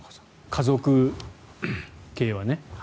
家族系はね。